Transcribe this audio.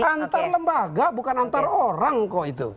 antar lembaga bukan antar orang kok itu